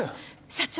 社長！